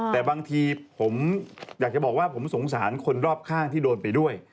แต่บางทีผมอยากจะบอกว่าผมสงสารคนรอบข้างที่โดนไปด้วย